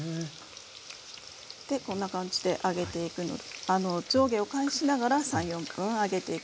でこんな感じで揚げていくので上下を返しながら３４分揚げていきます。